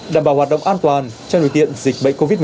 đảm bảo hoạt động an toàn cho nội tiện dịch bệnh covid một mươi chín